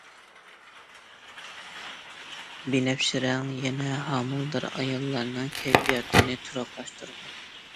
بىنەپشە رەڭ يەنە ھامىلىدار ئاياللارنىڭ كەيپىياتىنى تۇراقلاشتۇرىدۇ.